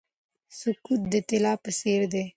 سکوت د طلا په څیر دی.